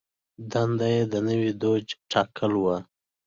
دنده یې د نوي دوج ټاکل و.